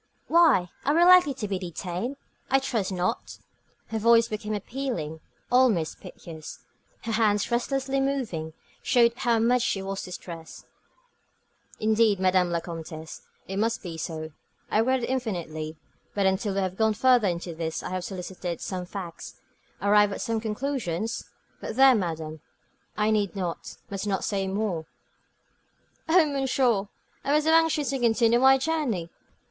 "Why, are we likely to be detained? I trust not." Her voice became appealing, almost piteous. Her hands, restlessly moving, showed how much she was distressed. "Indeed, Madame la Comtesse, it must be so. I regret it infinitely; but until we have gone further into this, have elicited some facts, arrived at some conclusions But there, madame, I need not, must not say more." "Oh, monsieur, I was so anxious to continue my journey.